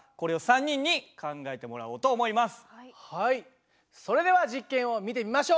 それでは実験を見てみましょう。